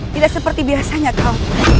tidak seperti biasanya kau